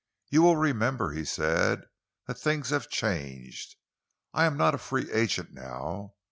"You will remember," he said, "that things have changed. I am not a free agent now.